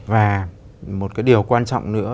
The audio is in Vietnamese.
và một cái điều quan trọng nữa